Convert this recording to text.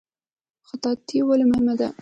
خطاطي ولې مهمه ده؟